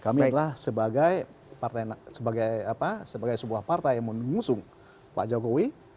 kami adalah sebagai sebuah partai yang mengusung pak jokowi